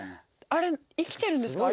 あれ生きてるんですか？